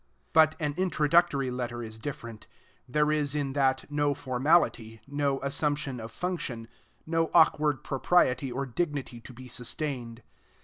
But an Introductory Letter is different. There is in that no formality, no assumption of function, no awkward propriety or dignity to be sustained.